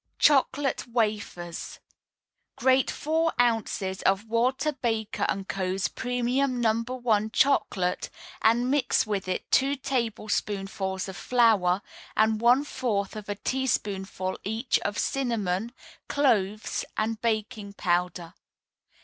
CHOCOLATE WAFERS Grate four ounces of Walter Baker & Co.'s Premium No. 1 Chocolate, and mix with it two tablespoonfuls of flour and one fourth of a teaspoonful each of cinnamon, cloves and baking powder.